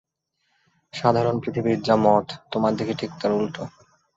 সাধারণ পৃথিবীর যা মত, তোমার দেখি ঠিক তার উল্টো।